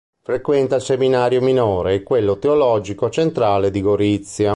Frequenta il seminario minore e quello teologico centrale di Gorizia.